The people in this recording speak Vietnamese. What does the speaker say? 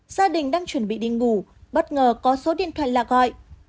gia đình đang chuẩn bị đi ngủ bất ngờ có số điện thoại lạ gọi